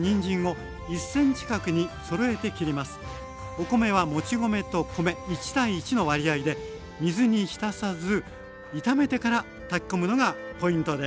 お米はもち米と米１対１の割合で水に浸さず炒めてから炊き込むのがポイントです。